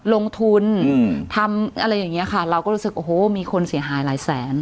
ลงทุนทำอะไรอย่างเงี้ยค่ะเราก็รู้สึกโอ้โหมีคนเสียหายหลายแสน